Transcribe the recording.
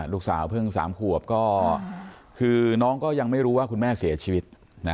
ลูกสาวเพิ่ง๓ขวบก็คือน้องก็ยังไม่รู้ว่าคุณแม่เสียชีวิต